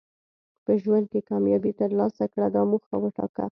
په ژوند کې کامیابي ترلاسه کړه دا موخه وټاکه.